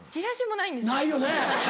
ないよね。